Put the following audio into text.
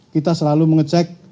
kita selalu mengecek